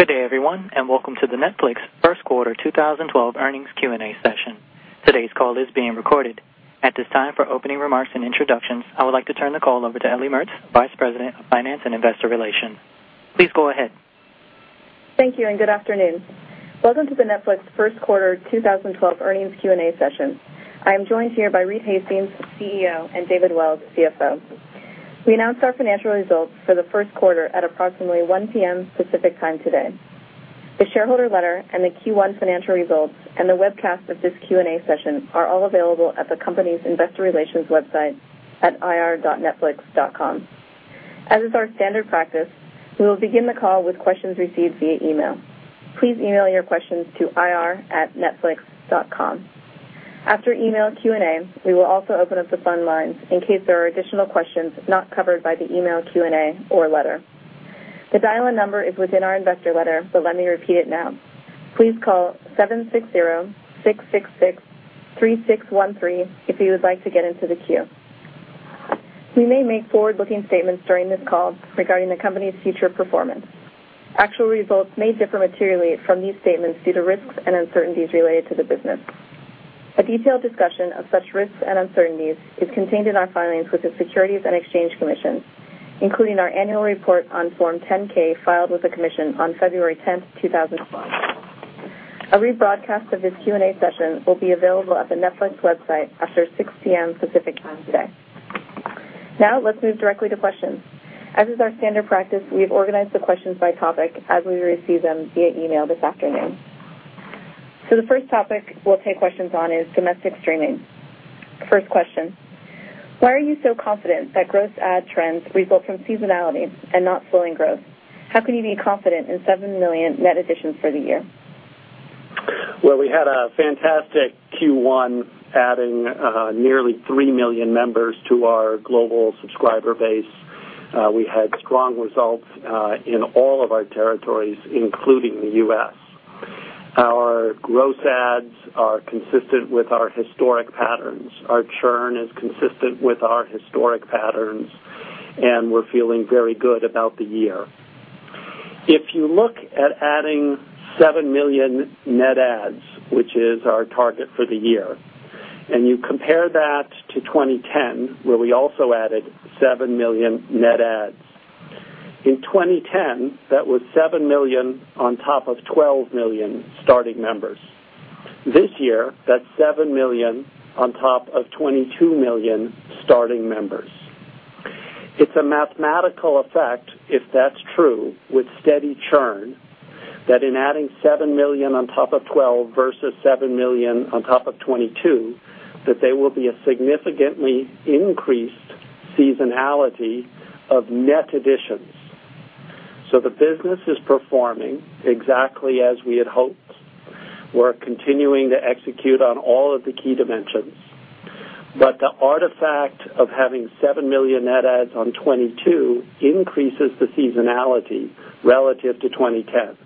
Good day, everyone, and welcome to the Netflix First Quarter 2012 Earnings Q&A session. Today's call is being recorded. At this time, for opening remarks and introductions, I would like to turn the call over to Ellie Mertz, Vice President of Finance and Investor Relations. Please go ahead. Thank you, and good afternoon. Welcome to the Netflix First Quarter 2012 Earnings Q&A session. I am joined here by Reed Hastings, CEO, and David Wells, CFO. We announce our financial results for the First Quarter at approximately 1:00 P.M. Pacific Time today. The shareholder letter and the Q1 financial results and the webcast of this Q&A session are all available at the company's Investor Relations website at ir.netflix.com. As is our standard practice, we will begin the call with questions received via email. Please email your questions to ir@netflix.com. After email Q&A, we will also open up the phone lines in case there are additional questions not covered by the email Q&A or letter. The dial-in number is within our Investor Letter, but let me repeat it now. Please call 760-666-3613 if you would like to get into the queue. We may make forward-looking statements during this call regarding the company's future performance. Actual results may differ materially from these statements due to risks and uncertainties related to the business. A detailed discussion of such risks and uncertainties is contained in our filings with the Securities and Exchange Commission, including our annual report on Form 10-K filed with the Commission on February 10th, 2011. A rebroadcast of this Q&A session will be available at the Netflix website after 6:00 P.M. Pacific Time today. Now, let's move directly to questions. As is our standard practice, we have organized the questions by topic as we receive them via email this afternoon. The first topic we'll take questions on is domestic streaming. First question: Why are you so confident that gross ad trends result from seasonality and not slowing growth? How can you be confident in 7 million net additions for the year? We had a fantastic Q1 adding nearly 3 million members to our global subscriber base. We had strong results in all of our territories, including the U.S. Our gross ads are consistent with our historic patterns. Our churn is consistent with our historic patterns, and we're feeling very good about the year. If you look at adding 7 million net ads, which is our target for the year, and you compare that to 2010, where we also added 7 million net ads, in 2010, that was 7 million on top of 12 million starting members. This year, that's 7 million on top of 22 million starting members. It's a mathematical effect, if that's true, with steady churn, that in adding 7 million on top of 12 versus 7 million on top of 22, there will be a significantly increased seasonality of net additions. The business is performing exactly as we had hoped. We're continuing to execute on all of the key dimensions, but the artifact of having 7 million net ads on 22 increases the seasonality relative to 2010.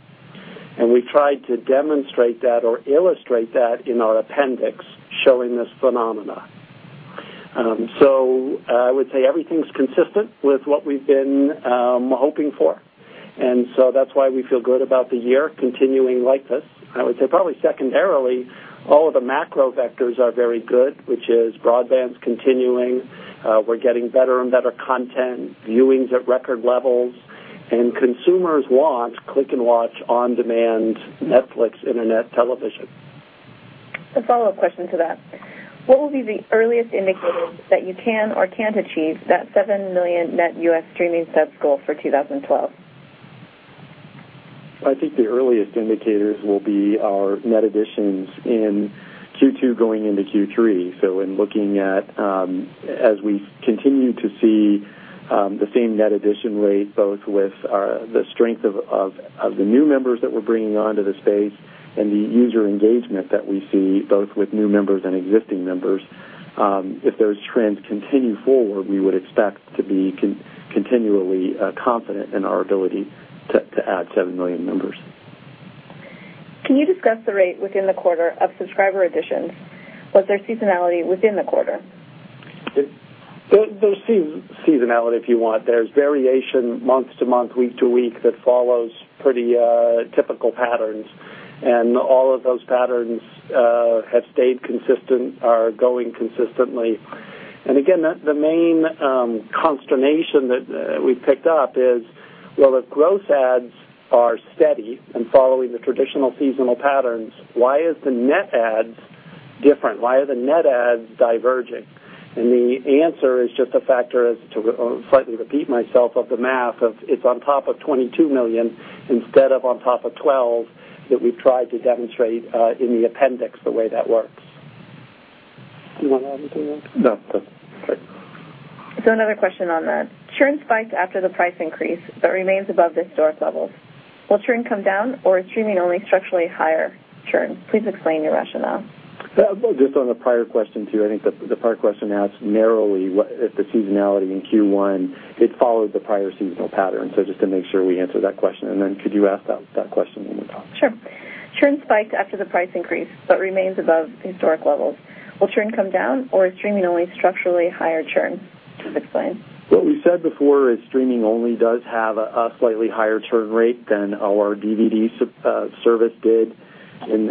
We've tried to demonstrate that or illustrate that in our appendix showing this phenomenon. I would say everything's consistent with what we've been hoping for, and that's why we feel good about the year continuing like this. I would say probably secondarily, all of the macro vectors are very good, which is broadband's continuing, we're getting better and better content, viewings at record levels, and consumers want click-and-watch on-demand Netflix Internet television. A follow-up question to that: What will be the earliest indicators that you can or can't achieve that 7 million net US streaming subs goal for 2012? I think the earliest indicators will be our net additions in Q2 going into Q3. In looking at, as we continue to see the same net addition rate, both with the strength of the new members that we're bringing onto the space and the user engagement that we see, both with new members and existing members, if those trends continue forward, we would expect to be continually confident in our ability to add 7 million members. Can you discuss the rate within the quarter of subscriber additions? Was there seasonality in net additions within the quarter? There's seasonality, if you want. There's variation month to month, week to week, that follows pretty typical patterns, and all of those patterns have stayed consistent, are going consistently. The main consternation that we've picked up is, if gross ads are steady and following the traditional seasonal patterns, why is the net ads different? Why are the net ads diverging? The answer is just a factor, as to slightly repeat myself, of the math of it's on top of 22 million instead of on top of 12 that we've tried to demonstrate in the appendix the way that works. Is there another question on that? Churn spikes after the price increase, but remains above historic levels. Will churn come down, or is streaming only structurally higher churn? Please explain your rationale. On the prior question, too, I think the prior question asked narrowly the seasonality in Q1. It followed the prior seasonal pattern, so just to make sure we answer that question, and then could you ask that question in the top? Sure. Churn spiked after the price increase, but remains above historic levels. Will churn come down, or is streaming only structurally higher churn? Please explain. What we've said before is streaming only does have a slightly higher churn rate than our DVD service did in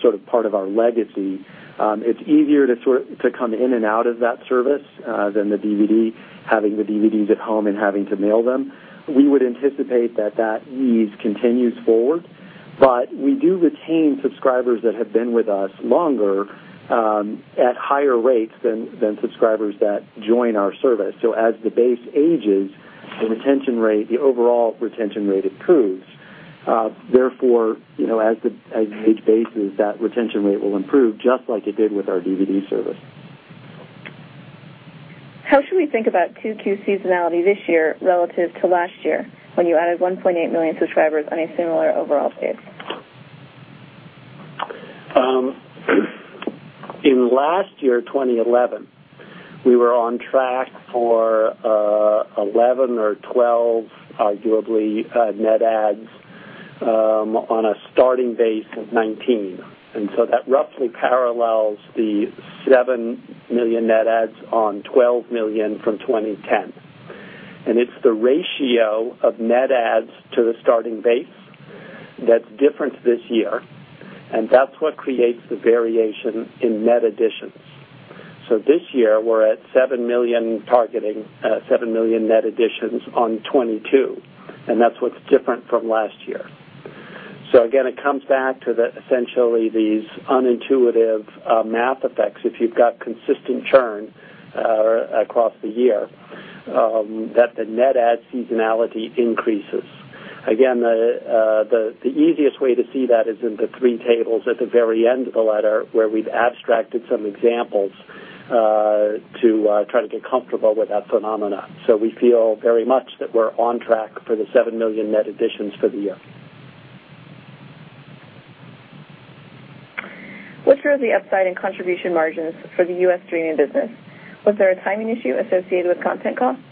sort of part of our legacy. It's easier to sort of come in and out of that service than the DVD, having the DVDs at home and having to mail them. We would anticipate that that ease continues forward. We do retain subscribers that have been with us longer at higher rates than subscribers that join our service. As the base ages, the retention rate, the overall retention rate improves. Therefore, as the base ages, that retention rate will improve just like it did with our DVD service. How should we think about Q2 seasonality this year relative to last year when you added 1.8 million subscribers on a similar overall pace? In last year, 2011, we were on track for 11 or 12, arguably, net ads on a starting base of 19. That roughly parallels the 7 million net ads on 12 million from 2010. It's the ratio of net ads to the starting base that's different this year, and that's what creates the variation in net additions. This year, we're at 7 million targeting 7 million net additions on 22, and that's what's different from last year. It comes back to essentially these unintuitive math effects. If you've got consistent churn across the year, the net ad seasonality increases. The easiest way to see that is in the three tables at the very end of the letter where we've abstracted some examples to try to get comfortable with that phenomenon. We feel very much that we're on track for the 7 million net additions for the year. What drove the upside in contribution margins for the US streaming business? Was there a timing issue associated with content costs?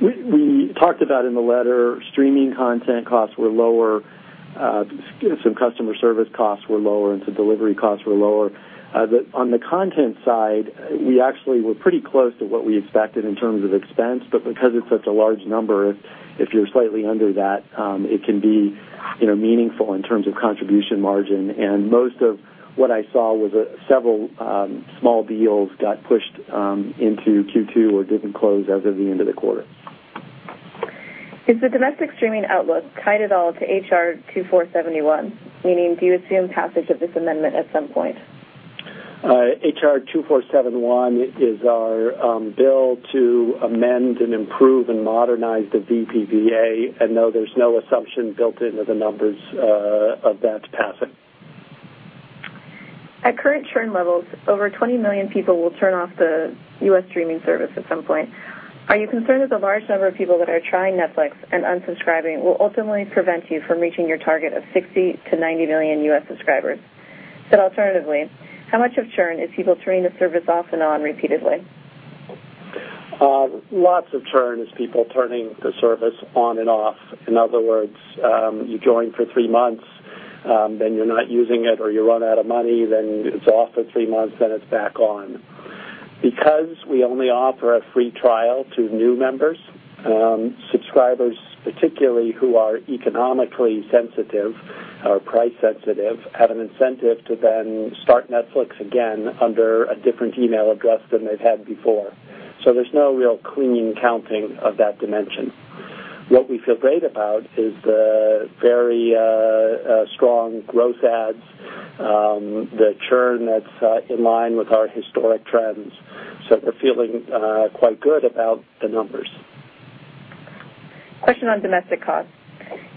We talked about in the letter, streaming content costs were lower, some customer service costs were lower, and some delivery costs were lower. On the content side, we actually were pretty close to what we expected in terms of expense, but because it's such a large number, if you're slightly under that, it can be meaningful in terms of contribution margin. Most of what I saw was several small deals got pushed into Q2 or didn't close other than the end of the quarter. Is the domestic streaming outlook tied at all to HR 2471? Meaning, do you assume passage of this amendment at some point? HR 2471 is our bill to amend and improve and modernize the DPDA, and no, there's no assumption built into the numbers of that passing. At current churn levels, over 20 million people will turn off the US streaming service at some point. Are you concerned that the large number of people that are trying Netflix and unsubscribing will ultimately prevent you from reaching your target of 60 million to 90 million US subscribers? Said alternatively, how much of churn is people turning the service off and on repeatedly? Lots of churn is people turning the service on and off. In other words, you join for three months, then you're not using it or you run out of money, then it's off for three months, then it's back on. Because we only offer a free trial to new members, subscribers particularly who are economically sensitive or price sensitive have an incentive to then start Netflix again under a different email address than they've had before. There's no real clean counting of that dimension. What we feel great about is the very strong gross ads, the churn that's in line with our historic trends, so we're feeling quite good about the numbers. Question on domestic costs.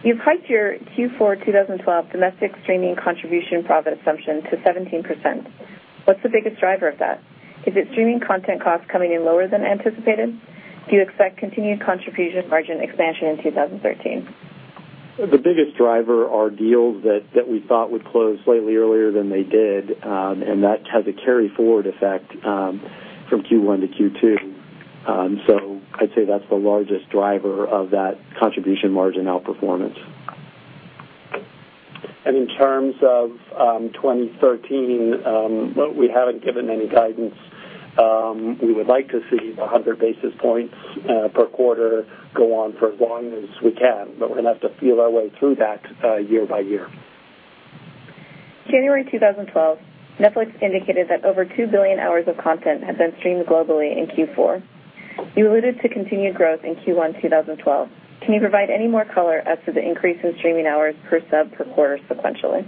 You've hiked your Q4 2012 domestic streaming contribution profit assumption to 17%. What's the biggest driver of that? Is it streaming content costs coming in lower than anticipated? Do you expect continued contribution margin expansion in 2013? The biggest driver are deals that we thought would close slightly earlier than they did, and that has a carry-forward effect from Q1 to Q2. I would say that's the largest driver of that contribution margin outperformance. In terms of 2013, we haven't given any guidance. We would like to see the 100 basis points per quarter go on for as long as we can, but we're going to have to feel our way through that year by year. January 2012, Netflix indicated that over 2 billion hours of content had been streamed globally in Q4. You alluded to continued growth in Q1 2012. Can you provide any more color as to the increase in streaming hours per sub per quarter sequentially?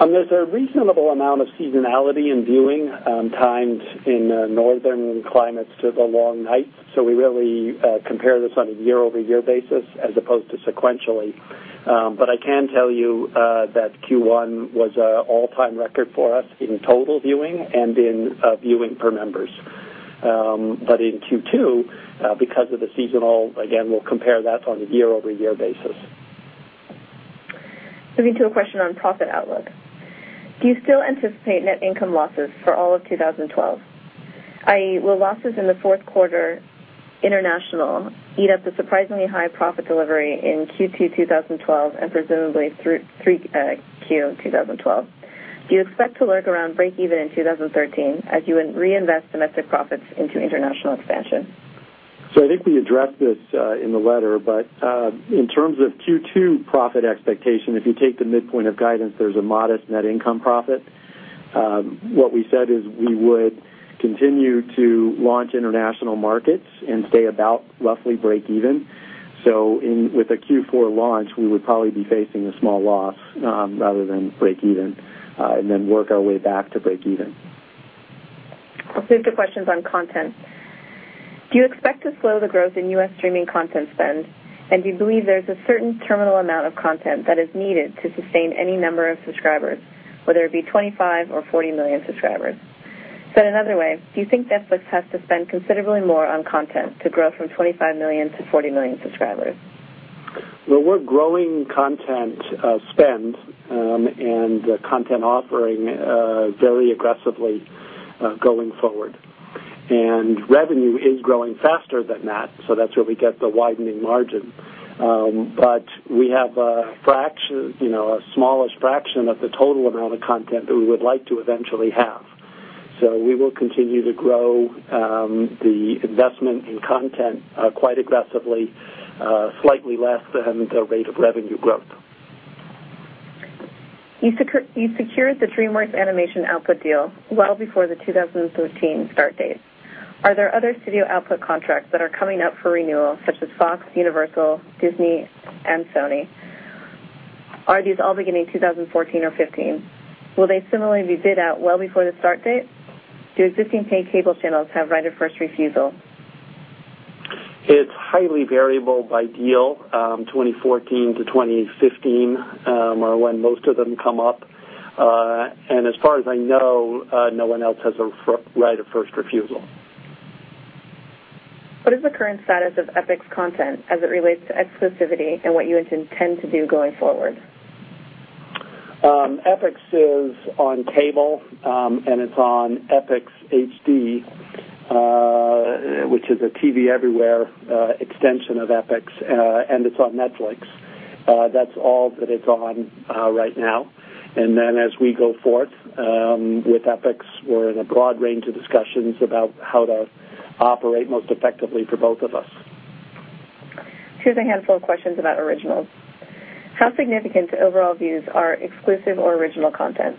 There's a reasonable amount of seasonality in viewing timed in northern climates to the long nights, so we really compare this on a year-over-year basis as opposed to sequentially. I can tell you that Q1 was an all-time record for us in total viewing and in viewing per members. In Q2, because of the seasonal, again, we'll compare that on a year-over-year basis. Moving to a question on profit outlook. Do you still anticipate net income losses for all of 2012? I.e., will losses in the fourth quarter international eat up the surprisingly high profit delivery in Q2 2012 and presumably through Q2 2012? Do you expect to lurk around breakeven in 2013 as you reinvest domestic profits into international expansion? I think we addressed this in the letter, but in terms of Q2 profit expectation, if you take the midpoint of guidance, there's a modest net income profit. What we said is we would continue to launch international markets and stay about roughly breakeven. With a Q4 launch, we would probably be facing the small loss rather than breakeven and then work our way back to breakeven. I'll shift to questions on content. Do you expect to slow the growth in US streaming content spend, and do you believe there's a certain terminal amount of content that is needed to sustain any number of subscribers, whether it be 25 million or 40 million subscribers? Said another way, do you think Netflix has to spend considerably more on content to grow from 25 million to 40 million subscribers? We're growing content spend and content offering very aggressively going forward, and revenue is growing faster than that, so that's where we get the widening margin. We have a fraction, you know, a smallish fraction of the total amount of content that we would like to eventually have. We will continue to grow the investment in content quite aggressively, slightly less than the rate of revenue growth. You secured the DreamWorks Animation output deal well before the 2013 start date. Are there other studio output contracts that are coming up for renewal, such as Fox, Universal, Disney, and Sony? Are these all beginning 2014 or 2015? Will they similarly be bid out well before the start date? Do existing paying cable channels have right-of-first refusal? It's highly variable by deal. 2014 to 2015 are when most of them come up. As far as I know, no one else has a right-of-first refusal. What is the current status of Epix content as it relates to exclusivity, and what you intend to do going forward? Epix is on cable, and it's on Epix HD, which is a TV everywhere extension of Epix, and it's on Netflix. That's all that it's on right now. As we go forth with Epix, we're in a broad range of discussions about how to operate most effectively for both of us. Here's a handful of questions about originals. How significant overall views are exclusive or original content?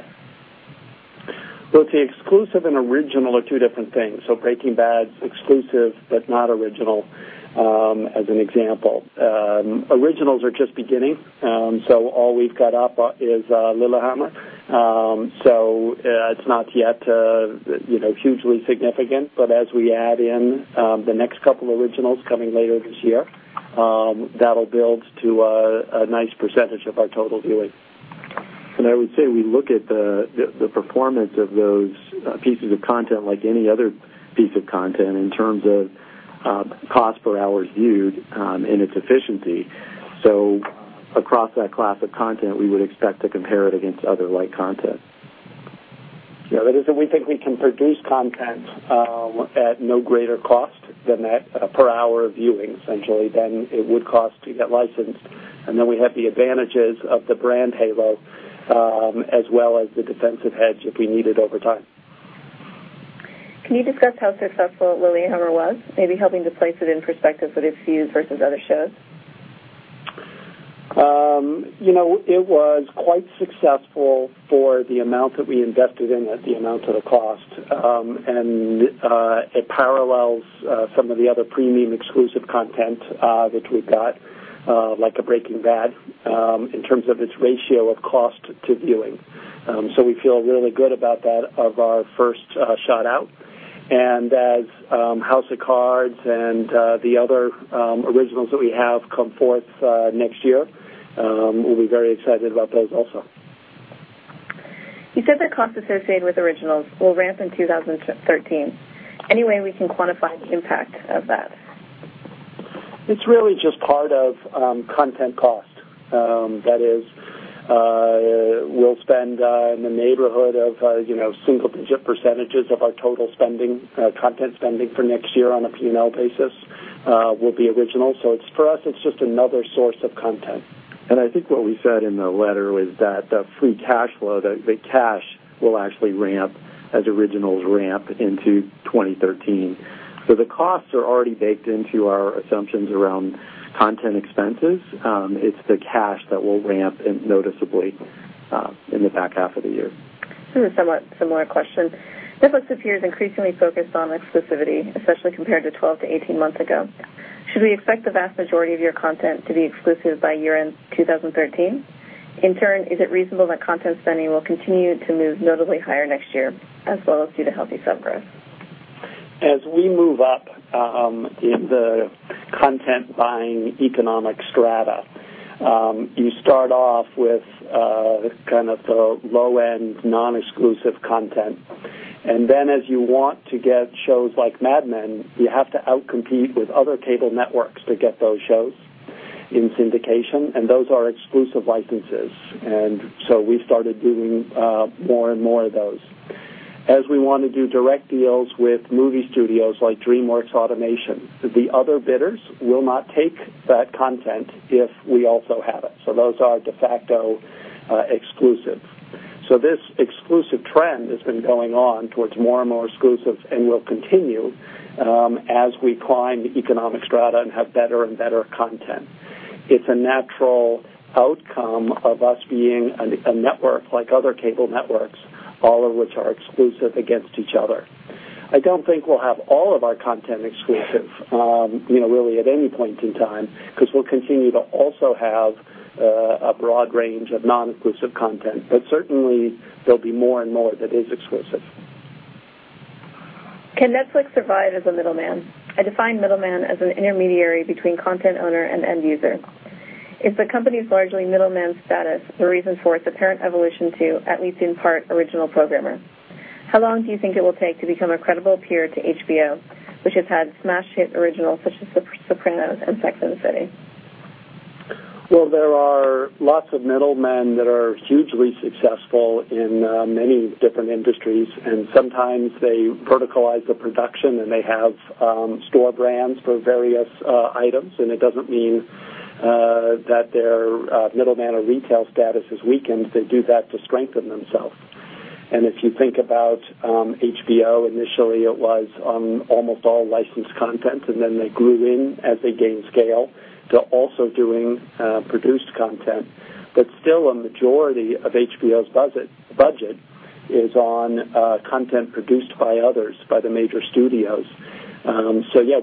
Both the exclusive and original are two different things. Breaking Bad's exclusive but not original, as an example. Originals are just beginning, so all we've got up is Lillehammer. It's not yet, you know, hugely significant, but as we add in the next couple of originals coming later this year, that'll build to a nice % of our total viewing. I would say we look at the performance of those pieces of content like any other piece of content in terms of cost per hour viewed and its efficiency. Across that class of content, we would expect to compare it against other like content. If we think we can produce content at no greater cost than that per hour of viewing, essentially, then it would cost to get licensed. We have the advantages of the brand halo, as well as the defensive hedge if we need it over time. Can you discuss how successful Lillehammer was, maybe helping to place it in perspective with its views versus other shows? It was quite successful for the amount that we invested in it, the amount of the cost. It parallels some of the other premium exclusive content that we've got, like a Breaking Bad, in terms of its ratio of cost to viewing. We feel really good about that of our first shot out. As House of Cards and the other originals that we have come forth next year, we'll be very excited about those also. You said the cost associated with originals will ramp in 2013. Any way we can quantify the impact of that? It's really just part of content cost. That is, we'll spend in the neighborhood of, you know, single-digit percentage of our total spending, content spending for next year on a P&L basis will be original. For us, it's just another source of content. I think what we said in the letter was that the free cash flow, the cash will actually ramp as originals ramp into 2013. The costs are already baked into our assumptions around content expenses. It's the cash that will ramp noticeably in the back half of the year. This is a somewhat similar question. Netflix appears increasingly focused on exclusivity, especially compared to 12 to 18 months ago. Should we expect the vast majority of your content to be exclusive by year-end 2013? In turn, is it reasonable that content spending will continue to move notably higher next year, as well as due to healthy sub growth? As we move up the content buying economic strata, you start off with kind of the low-end non-exclusive content. Then as you want to get shows like Mad Men, you have to outcompete with other cable networks to get those shows in syndication, and those are exclusive licenses. We started doing more and more of those. As we want to do direct deals with movie studios like DreamWorks Animation, the other bidders will not take that content if we also have it. Those are de facto exclusives. This exclusive trend has been going on towards more and more exclusives and will continue as we climb the economic strata and have better and better content. It's a natural outcome of us being a network like other cable networks, all of which are exclusive against each other. I don't think we'll have all of our content exclusive, you know, really at any point in time, because we'll continue to also have a broad range of non-exclusive content. Certainly, there'll be more and more that is exclusive. Can Netflix survive as a middleman? I define middleman as an intermediary between content owner and end user. If the company's largely middleman status, the reasons for its apparent evolution to, at least in part, original programmer. How long do you think it will take to become a credible peer to HBO, which has had smash hit originals such as Sopranos and Sex and the City? There are lots of middlemen that are hugely successful in many different industries, and sometimes they verticalize the production and they have store brands for various items. It doesn't mean that their middleman or retail status is weakened; they do that to strengthen themselves. If you think about HBO, initially it was on almost all licensed content, and then they grew in as they gained scale to also doing produced content. Still, a majority of HBO's budget is on content produced by others, by the major studios.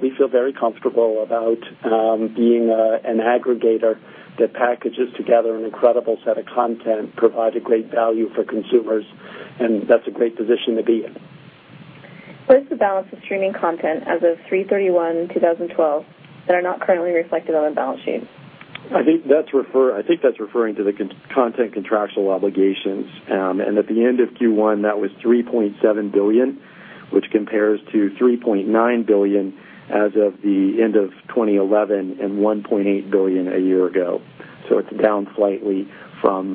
We feel very comfortable about being an aggregator that packages together an incredible set of content, provide a great value for consumers, and that's a great position to be in. What is the balance of streaming content as of 3/31/2012 that are not currently reflected on the balance sheet? I think that's referring to the content contractual obligations. At the end of Q1, that was $3.7 billion, which compares to $3.9 billion as of the end of 2011 and $1.8 billion a year ago. It's down slightly from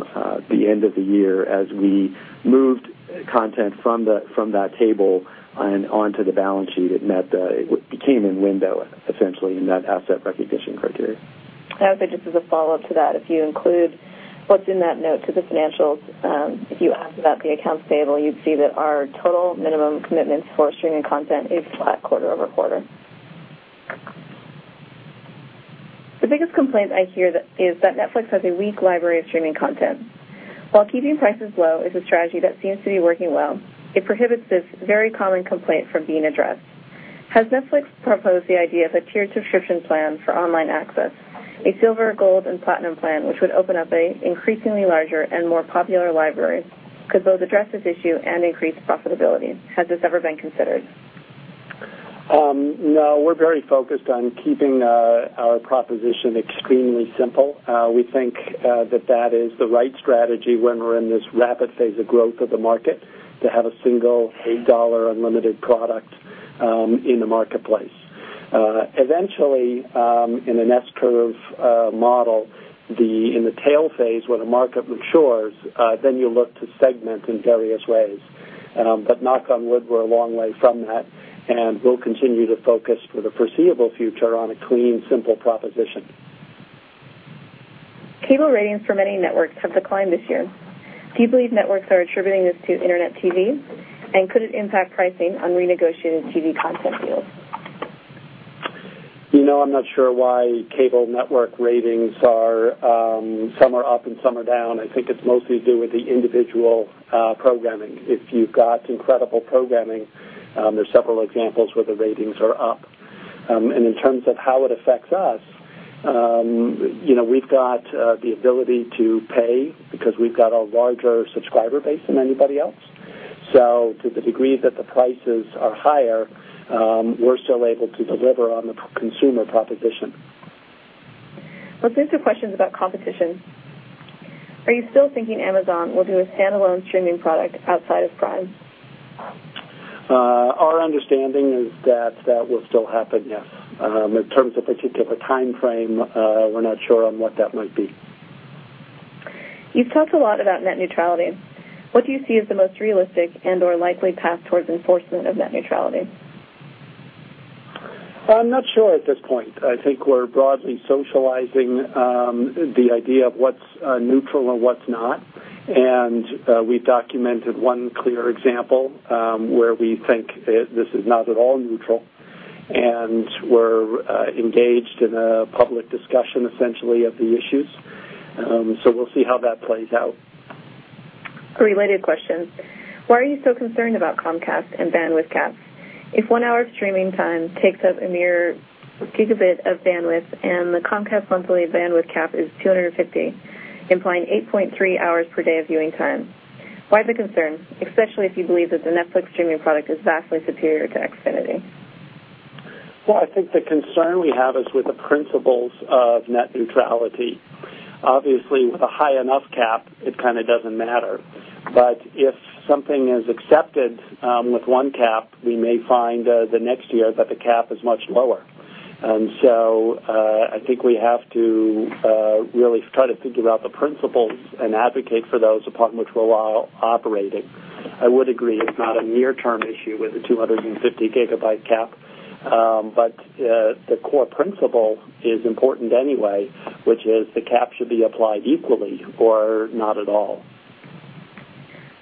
the end of the year. As we moved content from that table onto the balance sheet, it became in window, essentially, in that asset recognition criteria. I would say just as a follow-up to that, if you include what's in that note to the financials, if you ask about the accounts table, you'd see that our total minimum commitments for streaming content is flat quarter-over-quarter. The biggest complaint I hear is that Netflix has a weak library of streaming content. While keeping prices low is a strategy that seems to be working well, it prohibits this very common complaint from being addressed. Has Netflix proposed the idea of a tiered subscription plan for online access, a silver, gold, and platinum plan, which would open up an increasingly larger and more popular library? Could both address this issue and increase profitability? Has this ever been considered? No, we're very focused on keeping our proposition extremely simple. We think that that is the right strategy when we're in this rapid phase of growth of the market to have a single $8 unlimited product in the marketplace. Eventually, in an S-curve model, in the tail phase when a market matures, you look to segment in various ways. Knock on wood, we're a long way from that, and we'll continue to focus for the foreseeable future on a clean, simple proposition. Cable ratings for many networks have declined this year. Do you believe networks are attributing this to Internet TV, and could it impact pricing on renegotiated TV content deals? I'm not sure why cable network ratings are some are up and some are down. I think it's mostly to do with the individual programming. If you've got incredible programming, there are several examples where the ratings are up. In terms of how it affects us, we've got the ability to pay because we've got a larger subscriber base than anybody else. To the degree that the prices are higher, we're still able to deliver on the consumer proposition. I'll shift to questions about competition. Are you still thinking Amazon will do its standalone streaming product outside of Prime? Our understanding is that that will still happen, yes. In terms of a particular time frame, we're not sure what that might be. You've talked a lot about net neutrality. What do you see as the most realistic and/or likely path towards enforcement of net neutrality? I'm not sure at this point. I think we're broadly socializing the idea of what's neutral and what's not. We documented one clear example where we think this is not at all neutral, and we're engaged in a public discussion, essentially, of the issues. We'll see how that plays out. A related question. Why are you so concerned about Comcast and bandwidth caps? If one hour of streaming time takes up a mere gigabit of bandwidth and the Comcast monthly bandwidth cap is 250, implying 8.3 hours per day of viewing time, why the concern, especially if you believe that the Netflix streaming product is vastly superior to Xfinity? I think the concern we have is with the principles of net neutrality. Obviously, with a high enough cap, it kind of doesn't matter. If something is accepted with one cap, we may find the next year that the cap is much lower. I think we have to really try to think about the principles and advocate for those upon which we're operating. I would agree it's not a near-term issue with the 250-GB cap, but the core principle is important anyway, which is the cap should be applied equally or not at all.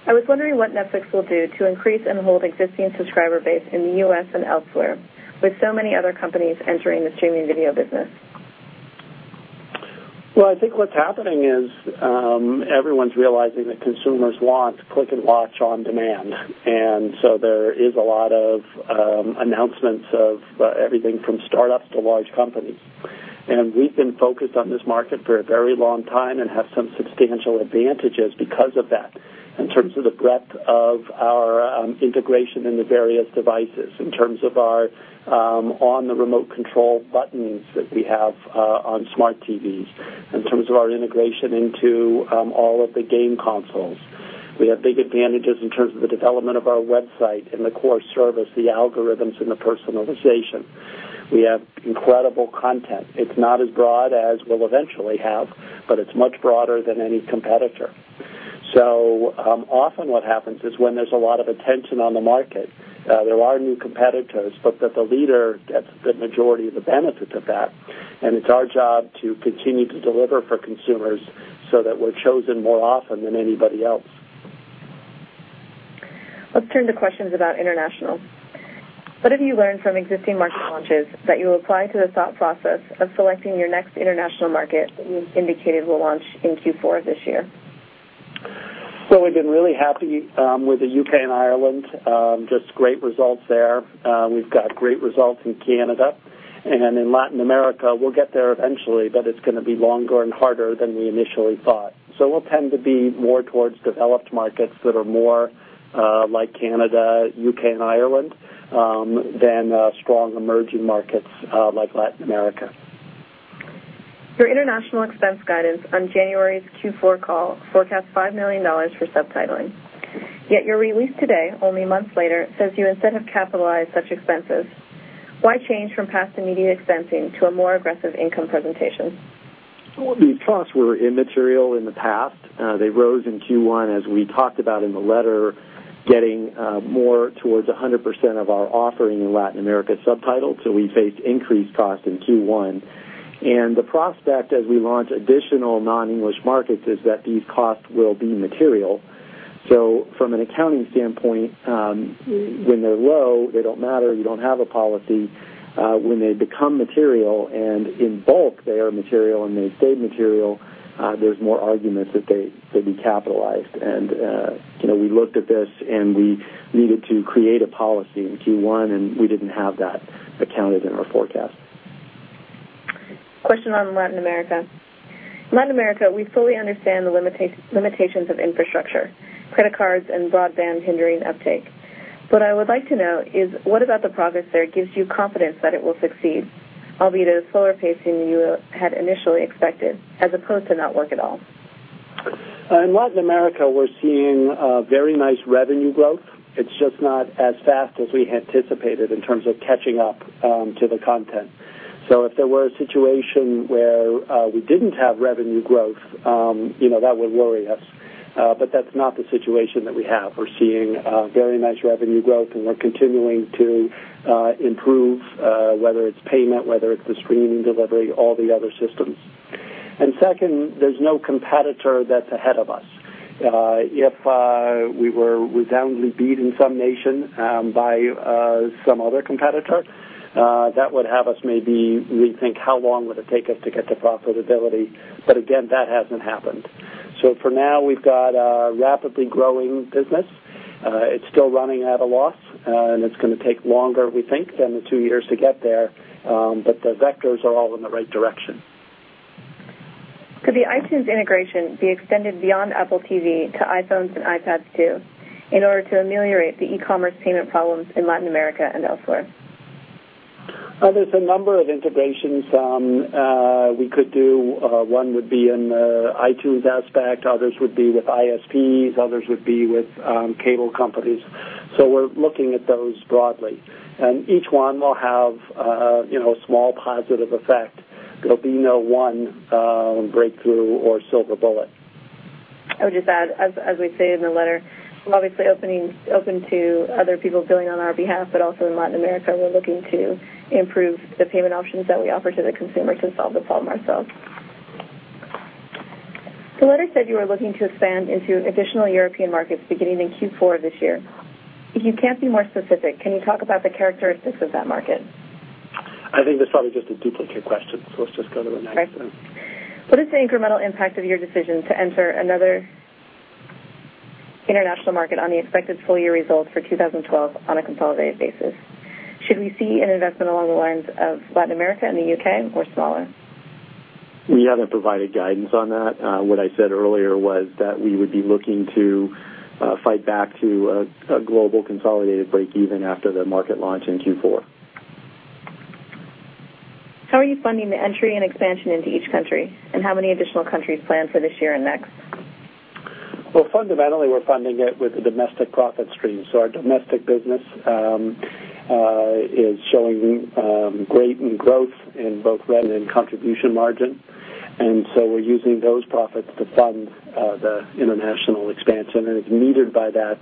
I was wondering what Netflix will do to increase and hold existing subscriber base in the U.S. and elsewhere, with so many other companies entering the streaming video business. I think what's happening is everyone's realizing that consumers want click-and-watch on demand. There are a lot of announcements of everything from startups to large companies. We've been focused on this market for a very long time and have some substantial advantages because of that, in terms of the breadth of our integration into various devices, in terms of our on-the-remote control buttons that we have on smart TVs, in terms of our integration into all of the game consoles. We have big advantages in terms of the development of our website and the core service, the algorithms, and the personalization. We have incredible content. It's not as broad as we'll eventually have, but it's much broader than any competitor. Often what happens is when there's a lot of attention on the market, there are new competitors, but the leader gets the majority of the benefit of that. It's our job to continue to deliver for consumers so that we're chosen more often than anybody else. Let's turn to questions about international. What have you learned from existing market launches that you apply to the thought process of selecting your next international market that you indicated will launch in Q4 of this year? We have been really happy with the U.K. and Ireland, just great results there. We have got great results in Canada. In Latin America, we will get there eventually, but it is going to be longer and harder than we initially thought. We will tend to be more towards developed markets that are more like Canada, U.K., and Ireland than strong emerging markets like Latin America. Your international expense guidance on January's Q4 call forecasts $5 million for subtitling. Yet your release today, only months later, says you instead have capitalized such expenses. Why change from past immediate expensing to a more aggressive income presentation? The costs were immaterial in the past. They rose in Q1, as we talked about in the letter, getting more towards 100% of our offering in Latin America subtitled. We faced increased costs in Q1. The prospect, as we launch additional non-English markets, is that these costs will be material. From an accounting standpoint, when they're low, they don't matter, you don't have a policy. When they become material and in bulk they are material and they stay material, there's more argument that they could be capitalized. We looked at this and we needed to create a policy in Q1, and we didn't have that accounted in our forecast. Question on Latin America. In Latin America, we fully understand the limitations of infrastructure, credit cards, and broadband hindering uptake. What I would like to know is what about the progress there gives you confidence that it will succeed, albeit at a slower pace than you had initially expected, as opposed to not work at all? In Latin America, we're seeing very nice revenue growth. It's just not as fast as we anticipated in terms of catching up to the content. If there were a situation where we didn't have revenue growth, you know, that would worry us. That's not the situation that we have. We're seeing very nice revenue growth, and we're continuing to improve, whether it's payment, whether it's the streaming delivery, all the other systems. Second, there's no competitor that's ahead of us. If we were resoundingly beaten in some nation by some other competitor, that would have us maybe rethink how long it would take us to get to profitability. That hasn't happened. For now, we've got a rapidly growing business. It's still running at a loss, and it's going to take longer, we think, than the two years to get there. The vectors are all in the right direction. Could the iTunes integration be extended beyond Apple TV to iPhones and iPads too, in order to ameliorate the e-commerce payment problems in Latin America and elsewhere? are a number of integrations we could do. One would be in the iTunes aspect, others would be with ISPs, others would be with cable companies. We are looking at those broadly, and each one will have a small positive effect. There will be no one breakthrough or silver bullet. I would just add, as we say in the letter, we're obviously open to other people billing on our behalf, but also in Latin America, we're looking to improve the payment options that we offer to the consumer to solve the problem ourselves. The letter said you were looking to expand into additional European markets beginning in Q4 of this year. If you can't be more specific, can you talk about the characteristics of that market? I think that's probably just a duplicate question, so let's just go to the next thing. What is the incremental impact of your decision to enter another international market on the expected full-year results for 2012 on a consolidated basis? Should we see an investment along the lines of Latin America and the U.K. or smaller? We haven't provided guidance on that. What I said earlier was that we would be looking to fight back to a global consolidated breakeven after the market launch in Q4. How are you funding the entry and expansion into each country, and how many additional countries plan for this year and next? Fundamentally, we're funding it with the domestic profit stream. Our domestic business is showing great growth in both rent and contribution margin, and we're using those profits to fund the international expansion. It's needed by that,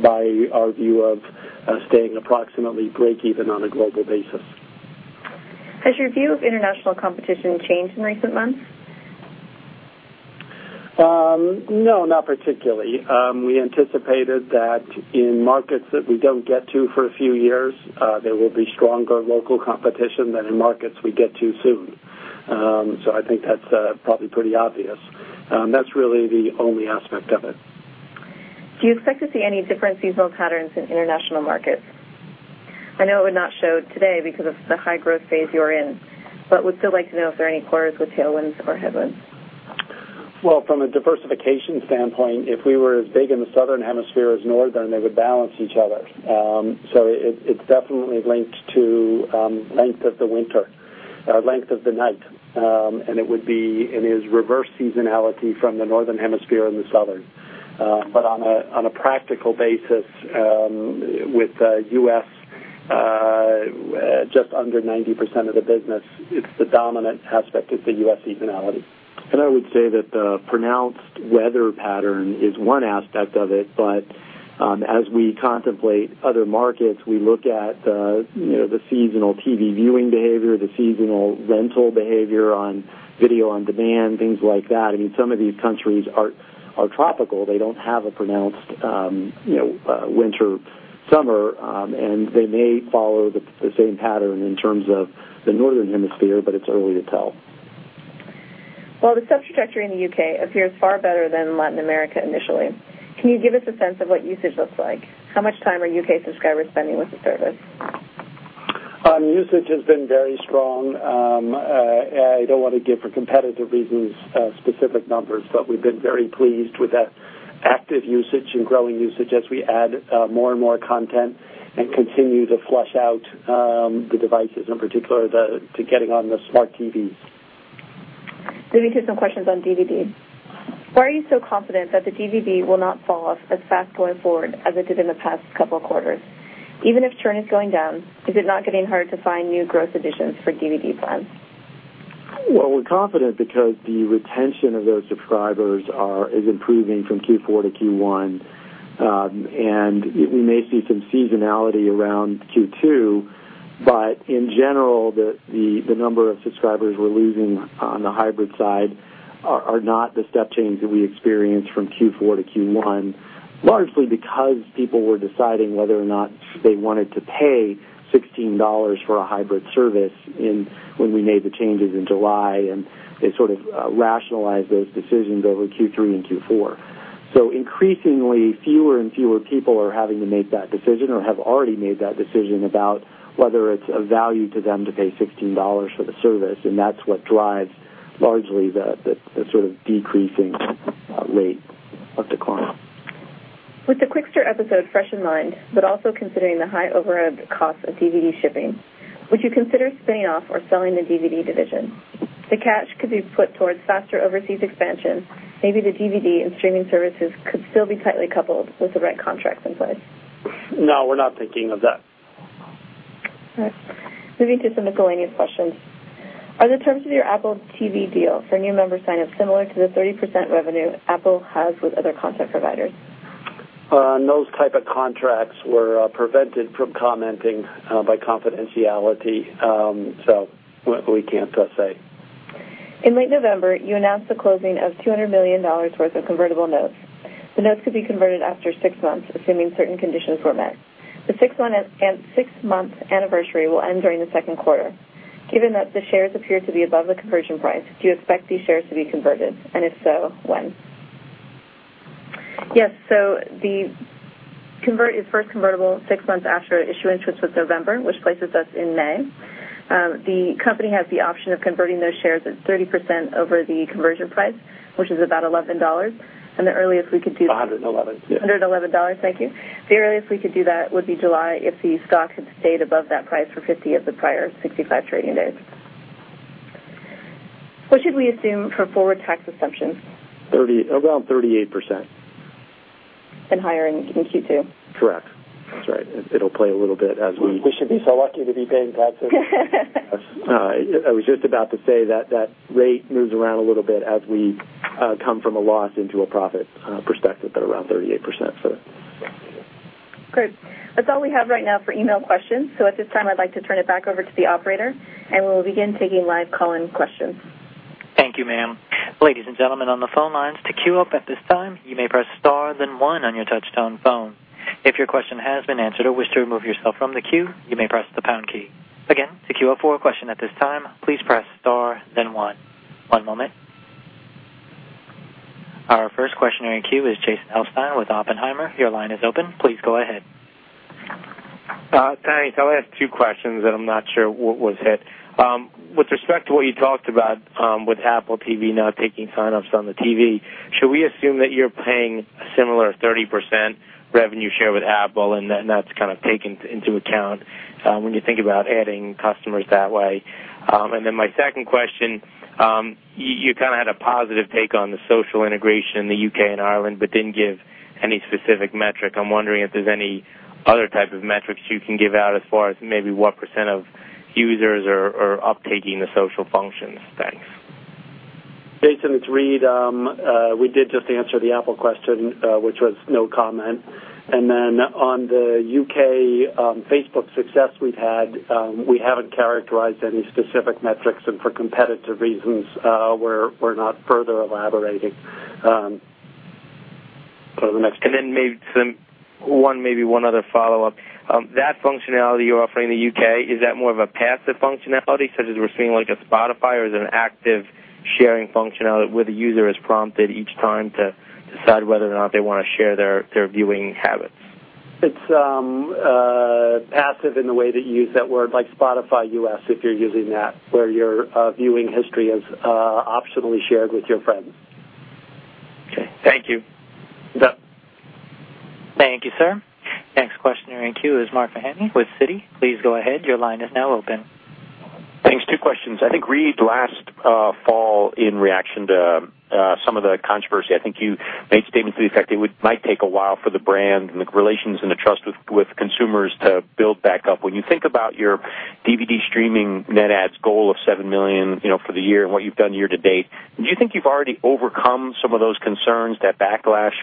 by our view of staying approximately breakeven on a global basis. Has your view of international competition changed in recent months? No, not particularly. We anticipated that in markets that we don't get to for a few years, there will be stronger local competition than in markets we get to soon. I think that's probably pretty obvious. That's really the only aspect of it. Do you expect to see any different seasonal patterns in international markets? I know it would not show today because of the high growth phase you're in, but would still like to know if there are any quarters with tailwinds or headwinds. From a diversification standpoint, if we were as big in the Southern Hemisphere as Northern, they would balance each other. It is definitely linked to length of the winter, length of the night. It would be in reverse seasonality from the Northern Hemisphere and the Southern. On a practical basis, with the U.S., just under 90% of the business, it's the dominant aspect of the U.S. seasonality. I would say that the pronounced weather pattern is one aspect of it, but as we contemplate other markets, we look at the seasonal TV viewing behavior, the seasonal rental behavior on video on demand, things like that. Some of these countries are tropical. They don't have a pronounced, you know, winter, summer, and they may follow the same pattern in terms of the Northern Hemisphere, but it's early to tell. While the subs trajectory in the U.K. appears far better than Latin America initially, can you give us a sense of what usage looks like? How much time are UK subscribers spending with the service? Usage has been very strong. I don't want to give, for competitive reasons, specific numbers, but we've been very pleased with that active usage and growing usage as we add more and more content and continue to flush out the devices, in particular to getting on the smart TVs. Let me take some questions on DVD. Why are you so confident that the DVD will not fall off as fast going forward as it did in the past couple of quarters? Even if churn is going down, is it not getting hard to find new growth additions for DVD plans? We're confident because the retention of those subscribers is improving from Q4 to Q1, and we may see some seasonality around Q2. In general, the number of subscribers we're losing on the hybrid side are not the step change that we experienced from Q4 to Q1, largely because people were deciding whether or not they wanted to pay $16 for a hybrid service when we made the changes in July, and they sort of rationalized those decisions over Q3 and Q4. Increasingly, fewer and fewer people are having to make that decision or have already made that decision about whether it's of value to them to pay $16 for the service, and that's what drives largely the sort of decreasing rate of decline. With the Quickster episode fresh in mind, but also considering the high overhead cost of DVD shipping, would you consider spinning off or selling the DVD division? The cash could be put towards faster overseas expansion. Maybe the DVD and streaming services could still be tightly coupled with the right contracts in place. No, we're not thinking of that. Moving to some miscellaneous questions. Are the terms of your Apple TV deal for new members signed up similar to the 30% revenue Apple has with other content providers? Those types of contracts, we're prevented from commenting by confidentiality, so we can't say. In late November, you announced the closing of $200 million worth of convertible notes. The notes could be converted after six months, assuming certain conditions were met. The six-month anniversary will end during the second quarter. Given that the shares appear to be above the conversion price, do you expect these shares to be converted? If so, when? Yes, the convert is first convertible six months after issuance, which was November, which places us in May. The company has the option of converting those shares at 30% over the conversion price, which is about $11. The earliest we could do that. $111. $111, thank you. The earliest we could do that would be July if the stock had stayed above that price for 50 of the prior 65 trading days. What should we assume for forward tax assumption? About 38%. Higher in Q2? Correct. That's right. It'll play a little bit as we should be so lucky to be paying taxes. I was just about to say that rate moves around a little bit as we come from a loss into a profit perspective, but around 38% for the next year. Great. That's all we have right now for email questions. At this time, I'd like to turn it back over to the operator, and we will begin taking live call-in questions. Thank you, ma'am. Ladies and gentlemen on the phone lines, to queue up at this time, you may press star, then one on your touch-tone phone. If your question has been answered or wish to remove yourself from the queue, you may press the pound key. Again, to queue up for a question at this time, please press star, then one. One moment. Our first question in queue is Jason Helfstein with Oppenheimer. Your line is open. Please go ahead. Thanks. I only have two questions, and I'm not sure what was hit. With respect to what you talked about with Apple TV now taking sign-ups on the TV, should we assume that you're paying a similar 30% revenue share with Apple and that's kind of taken into account when you think about adding customers that way? My second question, you kind of had a positive take on the social integration in the U.K. and Ireland, but didn't give any specific metric. I'm wondering if there's any other type of metrics you can give out as far as maybe what percent of users are uptaking the social functions. Thanks. Jason and it's Reed, we did just answer the Apple question, which was no comment. On the UK Facebook success we've had, we haven't characterized any specific metrics, and for competitive reasons, we're not further elaborating. Go to the next one. Maybe one other follow-up. That functionality you're offering in the U.K., is that more of a passive functionality, such as we're seeing like a Spotify, or is it an active sharing functionality where the user is prompted each time to decide whether or not they want to share their viewing habits? It's passive in the way that you use that word, like Spotify U.S. if you're using that, where your viewing history is optionally shared with your friends. Okay, thank you. Thank you, sir. Next question in the queue is Mark Mahaney with Citi. Please go ahead. Your line is now open. Thanks. Two questions. I think Reed, last fall in reaction to some of the controversy, I think you made statements to the effect it might take a while for the brand and the relations and the trust with consumers to build back up. When you think about your DVD streaming NetAd's goal of 7 million for the year and what you've done year to date, do you think you've already overcome some of those concerns, that backlash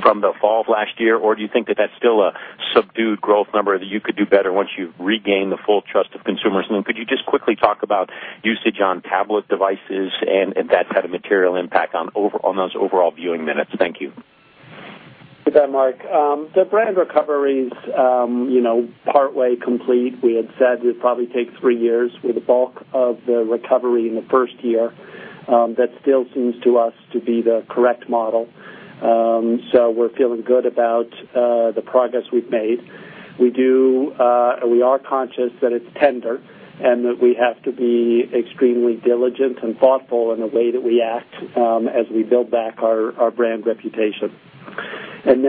from the fall of last year, or do you think that that's still a subdued growth number that you could do better once you've regained the full trust of consumers? Could you just quickly talk about usage on tablet devices and that kind of material impact on those overall viewing minutes? Thank you. Good day, Mike. The brand recovery's partway complete. We had said it'd probably take three years with the bulk of the recovery in the first year. That still seems to us to be the correct model. We're feeling good about the progress we've made. We are conscious that it's tender and that we have to be extremely diligent and thoughtful in the way that we act as we build back our brand reputation. In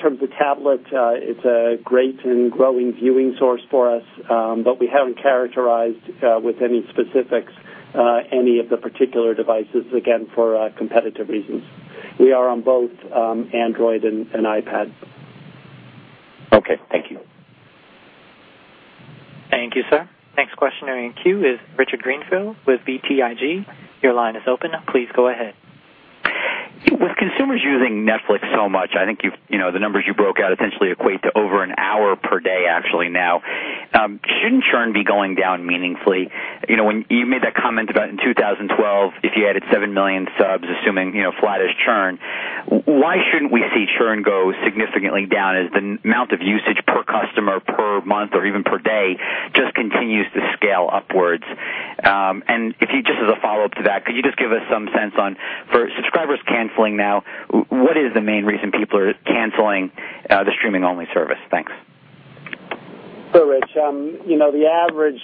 terms of tablet, it's a great and growing viewing source for us, but we haven't characterized with any specifics any of the particular devices, again, for competitive reasons. We are on both Android and iPad. Okay, thank you. Thank you, sir. Next questionary cue is Richard Greenfield with BTIG. Your line is open. Please go ahead. With consumers using Netflix so much, I think you've, you know, the numbers you broke out essentially equate to over an hour per day, actually, now. Shouldn't churn be going down meaningfully? You know, when you made that comment about in 2012, if you added 7 million subs, assuming, you know, flat as churn, why shouldn't we see churn go significantly down as the amount of usage per customer per month or even per day just continues to scale upwards? If you, just as a follow-up to that, could you just give us some sense on, for subscribers canceling now, what is the main reason people are canceling the streaming-only service? Thanks. Rich, you know, the average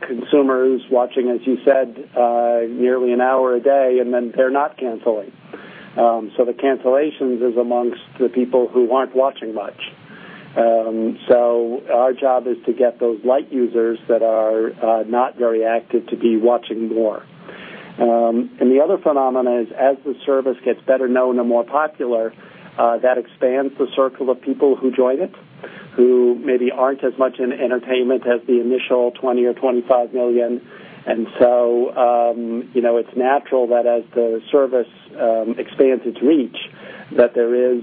consumer is watching, as you said, nearly an hour a day, and then they're not canceling. The cancellations are amongst the people who aren't watching much. Our job is to get those light users that are not very active to be watching more. The other phenomena is, as the service gets better known and more popular, that expands the circle of people who join it, who maybe aren't as much in entertainment as the initial 20 million or 25 million. It's natural that as the service expands its reach, there is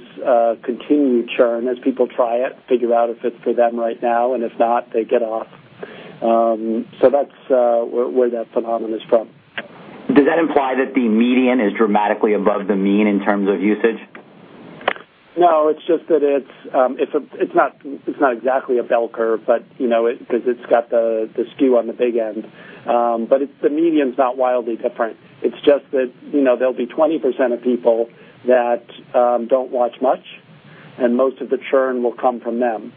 continued churn as people try it, figure out if it's for them right now, and if not, they get off. That's where that phenomenon is from. Does that imply that the median is dramatically above the mean in terms of usage? No, it's just that it's not exactly a bell curve, because it's got the skew on the big end. The median's not wildly different. It's just that there'll be 20% of people that don't watch much, and most of the churn will come from them.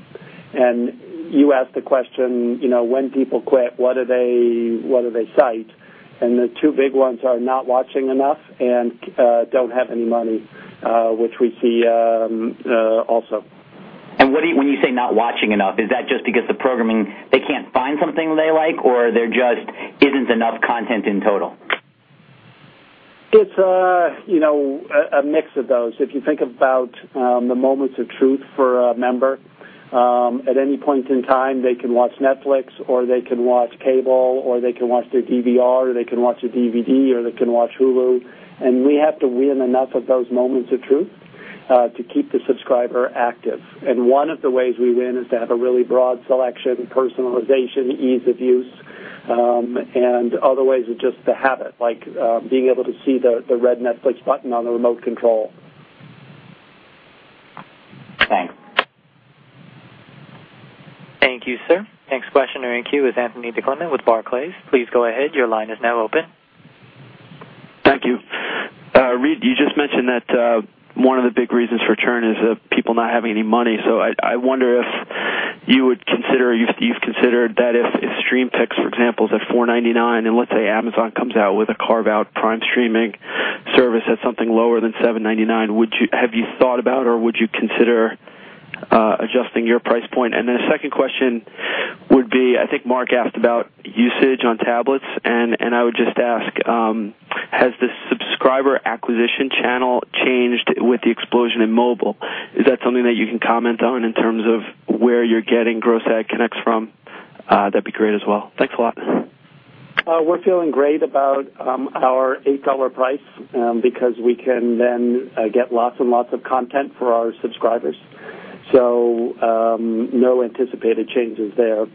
You asked the question, when people quit, what do they cite? The two big ones are not watching enough and don't have any money, which we see also. When you say not watching enough, is that just because the programming, they can't find something they like, or there just isn't enough content in total? It's a mix of those. If you think about the moments of truth for a member, at any point in time, they can watch Netflix, or they can watch cable, or they can watch their DVR, or they can watch a DVD, or they can watch Hulu. We have to win enough of those moments of truth to keep the subscriber active. One of the ways we win is to have a really broad selection, personalization, ease of use, and other ways of just the habit, like being able to see the red Netflix button on the remote control. Thanks. Thank you, sir. Next question in the queue is Anthony DiClemente with Barclays. Please go ahead. Your line is now open. Thank you. Reed, you just mentioned that one of the big reasons for churn is people not having any money. I wonder if you would consider, you've considered that if StreamPix, for example, is at $4.99 and let's say Amazon comes out with a carve-out Prime streaming service at something lower than $7.99, would you, have you thought about or would you consider adjusting your price point? A second question would be, I think Mark asked about usage on tablets, and I would just ask, has the subscriber acquisition channel changed with the explosion in mobile? Is that something that you can comment on in terms of where you're getting gross ad connects from? That'd be great as well. Thanks a lot. We're feeling great about our $8 price because we can then get lots and lots of content for our subscribers. No anticipated changes there.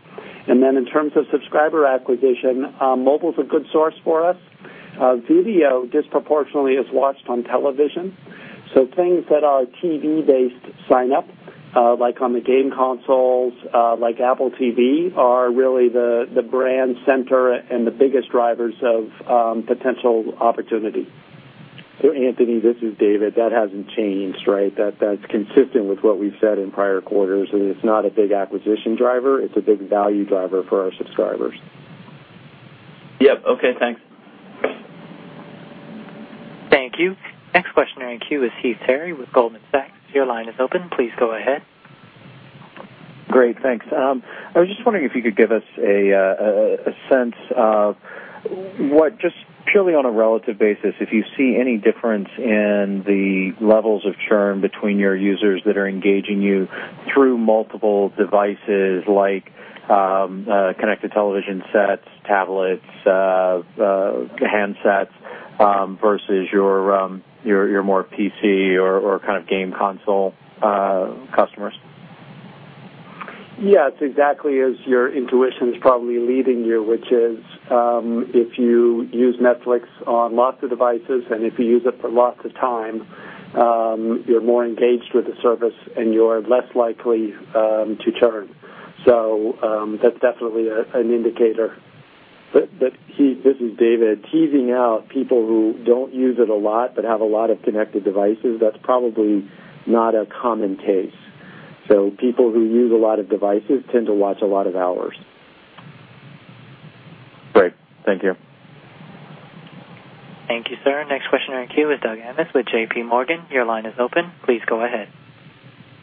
In terms of subscriber acquisition, mobile is a good source for us. Video disproportionately is watched on television. Things that are TV-based sign-up, like on the game consoles, like Apple TV, are really the brand center and the biggest drivers of potential opportunity. Here, Anthony, this is David. That hasn't changed, right? That's consistent with what we've said in prior quarters. It's not a big acquisition driver. It's a big value driver for our subscribers. Yep. Okay, thanks. Thank you. Next question, our queue is Heath Terry with Goldman Sachs. Your line is open. Please go ahead. Great, thanks. I was just wondering if you could give us a sense of what, just purely on a relative basis, if you see any difference in the levels of churn between your users that are engaging you through multiple devices, like connected television sets, tablets, handsets versus your more PC or kind of game console customers? Yeah, it's exactly as your intuition's probably leading you, which is if you use Netflix on lots of devices and if you use it for lots of time, you're more engaged with the service and you're less likely to churn. That's definitely an indicator. This is David. Teasing out people who don't use it a lot but have a lot of connected devices, that's probably not a common case. People who use a lot of devices tend to watch a lot of hours. Great. Thank you. Thank you, sir. Next question in the queue is Doug Anmuth with JPMorgan. Your line is open. Please go ahead.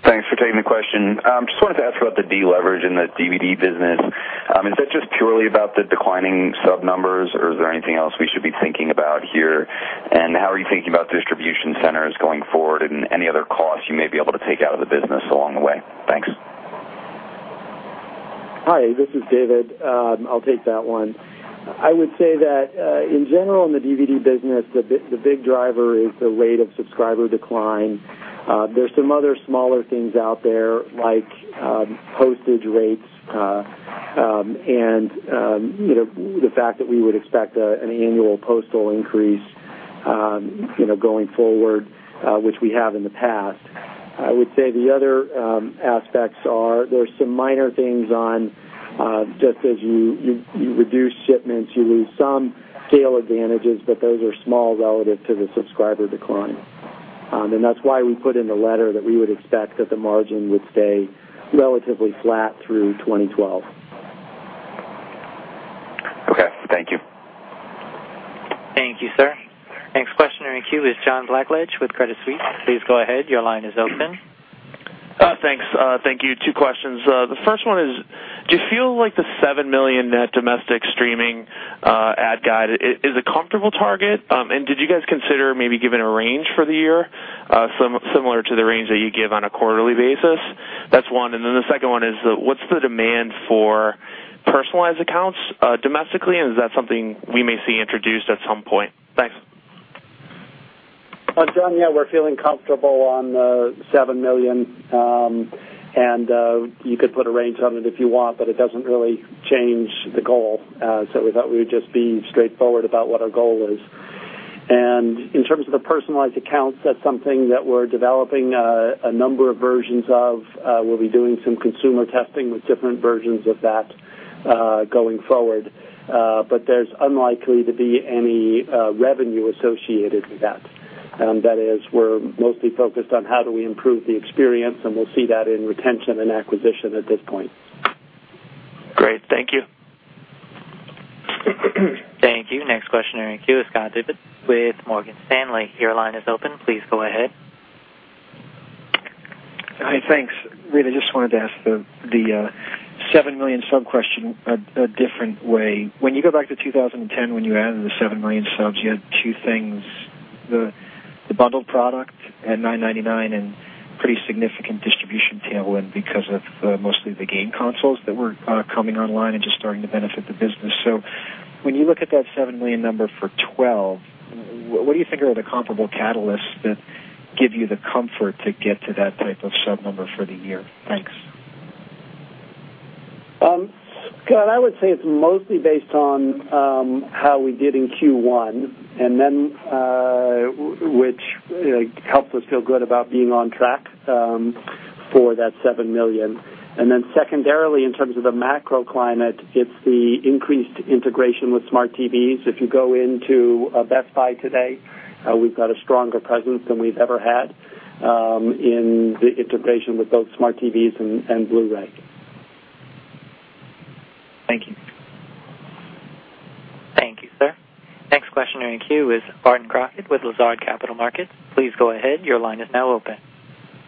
Thanks for taking the question. I just wanted to ask about the deleverage in the DVD business. Is that just purely about the declining sub numbers, or is there anything else we should be thinking about here? How are you thinking about distribution centers going forward and any other costs you may be able to take out of the business along the way? Thanks. Hi, this is David. I'll take that one. I would say that in general, in the DVD business, the big driver is the rate of subscriber decline. There are some other smaller things out there, like postage rates and the fact that we would expect an annual postal increase going forward, which we have in the past. I would say the other aspects are there are some minor things on just as you reduce shipments, you lose some sale advantages, but those are small relative to the subscriber decline. That is why we put in the letter that we would expect that the margin would stay relatively flat through 2012. Okay, thank you. Thank you, sir. Next question in the queue is John Blackledge with Credit Suisse. Please go ahead. Your line is open. Thanks. Thank you. Two questions. The first one is, do you feel like the 7 million net domestic streaming add guide is a comfortable target? Did you guys consider maybe giving a range for the year, similar to the range that you give on a quarterly basis? That's one. The second one is, what's the demand for personalized accounts domestically, and is that something we may see introduced at some point? Thanks. John, yeah, we're feeling comfortable on 7 million, and you could put a range on it if you want, but it doesn't really change the goal. We thought we would just be straightforward about what our goal is. In terms of the personalized accounts, that's something that we're developing a number of versions of. We'll be doing some consumer testing with different versions of that going forward. There's unlikely to be any revenue associated with that. That is, we're mostly focused on how do we improve the experience, and we'll see that in retention and acquisition at this point. Great, thank you. Thank you. Next question in the queue is Scott Devitt with Morgan Stanley. Your line is open. Please go ahead. Hi, thanks. Reed, I just wanted to ask the 7 million sub question a different way. When you go back to 2010, when you added the 7 million subs, you had two things: the bundled product at $9.99 and pretty significant distribution tailwind because of mostly the game consoles that were coming online and just starting to benefit the business. When you look at that 7 million number for 2012, what do you think are the comparable catalysts that give you the comfort to get to that type of sub number for the year? Thanks. Good. I would say it's mostly based on how we did in Q1, which helped us feel good about being on track for that 7 million. Secondarily, in terms of the macro climate, it's the increased integration with smart TVs. If you go into Best Buy today, we've got a stronger presence than we've ever had in the integration with both smart TVs and Blu-ray. Thank you. Thank you, sir. Next question in the queue is Barton Crockett with Lazard Capital Markets. Please go ahead. Your line is now open.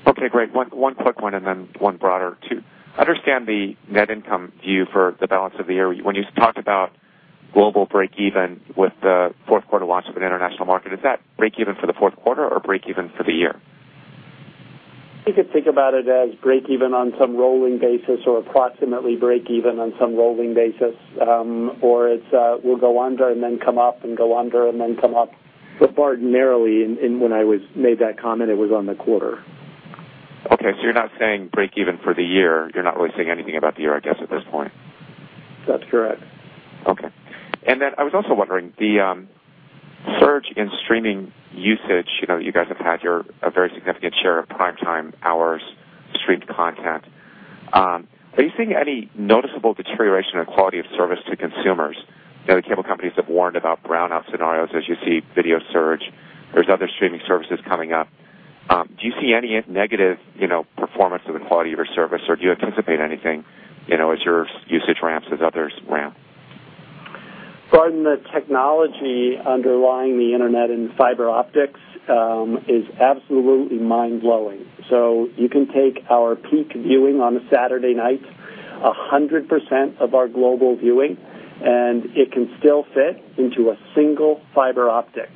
Okay, great. One quick one and then one broader. To understand the net income view for the balance of the year, when you talked about global breakeven with the fourth quarter loss of an international market, is that breakeven for the fourth quarter or breakeven for the year? You could think about it as breakeven on some rolling basis or approximately breakeven on some rolling basis, or it will go under and then come up and go under and then come up. Ordinarily, when I made that comment, it was on the quarter. Okay, so you're not saying breakeven for the year. You're not really saying anything about the year, I guess, at this point. That's correct. Okay. I was also wondering, the surge in streaming usage, you know, you guys have had a very significant share of primetime hours, streamed content. Are you seeing any noticeable deterioration in the quality of service to consumers? The cable companies have warned about brownout scenarios as you see video surge. There are other streaming services coming up. Do you see any negative performance of the quality of your service, or do you anticipate anything as your usage ramps as others ramp? The technology underlying the internet and fiber optics is absolutely mind-blowing. You can take our peak viewing on a Saturday night, 100% of our global viewing, and it can still fit into a single fiber optic.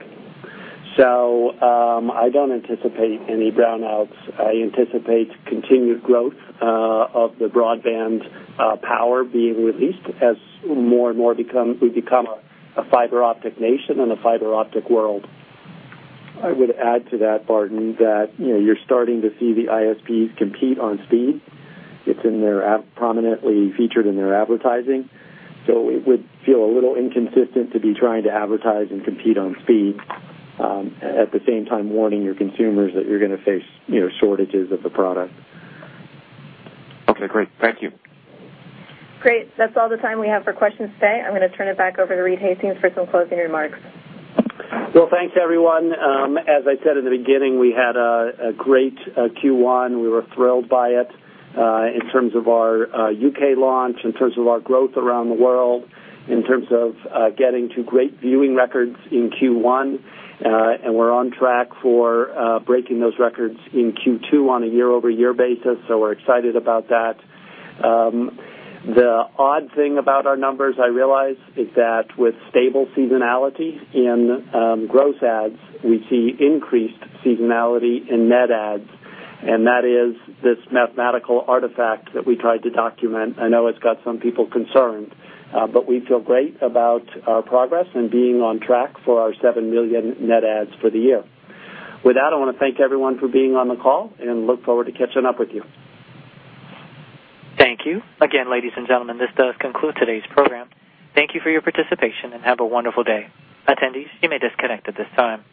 I don't anticipate any brownouts. I anticipate continued growth of the broadband power being released as more and more we become a fiber optic nation and a fiber optic world. I would add to that, Barton, that you're starting to see the ISPs compete on speed. It's prominently featured in their advertising. It would feel a little inconsistent to be trying to advertise and compete on speed at the same time warning your consumers that you're going to face shortages of the product. Okay, great. Thank you. Great. That is all the time we have for questions today. I am going to turn it back over to Reed Hastings for some closing remarks. Thank you, everyone. As I said in the beginning, we had a great Q1. We were thrilled by it in terms of our UK launch, in terms of our growth around the world, in terms of getting to great viewing records in Q1. We are on track for breaking those records in Q2 on a year-over-year basis, so we're excited about that. The odd thing about our numbers, I realize, is that with stable seasonality in gross ads, we see increased seasonality in net ads. That is this mathematical artifact that we tried to document. I know it's got some people concerned, but we feel great about our progress and being on track for our 7 million net ads for the year. With that, I want to thank everyone for being on the call and look forward to catching up with you. Thank you. Again, ladies and gentlemen, this does conclude today's program. Thank you for your participation and have a wonderful day. Attendees, you may disconnect at this time.